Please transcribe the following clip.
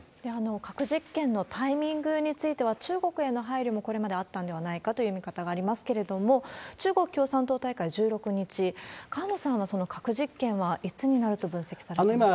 核実験のタイミングについては、中国への配慮もこれまであったのではないかという見方がありますけれども、中国共産党大会、１６日、河野さんは核実験はいつになると分析されてますか。